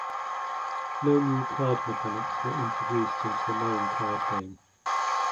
No new card mechanics were introduced into the main card game.